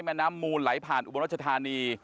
แม่น้ำมูลไหลผ่านอุบลรัชธานี